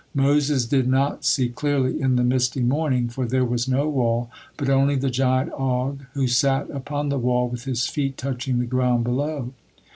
Moses did not see clearly in the misty morning, for there was no wall, but only the giant Og who sat upon the wall with his feet touching the ground below.